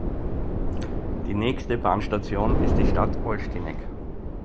Die nächste Bahnstation ist die Stadt Olsztynek.